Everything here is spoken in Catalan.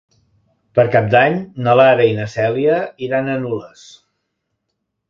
Per Cap d'Any na Lara i na Cèlia iran a Nules.